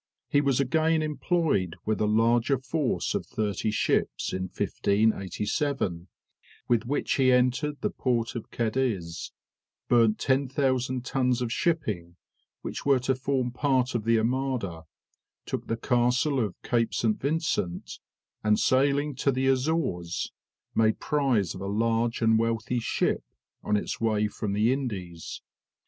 He was again employed with a larger force of thirty ships, in 1587, with which he entered the port of Cadiz, burnt ten thousand tons of shipping, which were to form part of the Armada, took the castle of Cape St. Vincent, and sailing to the Azores, made prize of a large and wealthy ship on its way from the Indies.